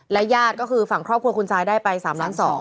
และญาติก็คือฝั่งครอบครัวคุณซายได้ไป๓๒๐๐๐๐๐บาท